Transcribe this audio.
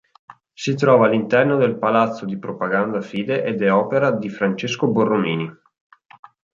Si trova all'interno del Palazzo di Propaganda Fide ed è opera di Francesco Borromini.